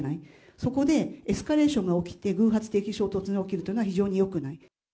そこで、エスカレーションが起きて、偶発的衝突が起きるというのは非常によくない。